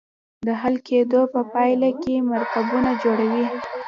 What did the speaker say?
د حل کیدو په پایله کې مرکبونه جوړوي.